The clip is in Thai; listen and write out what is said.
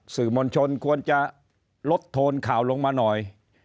สื่อมวลชนควรจะลดโทนข่าวลงมาหน่อย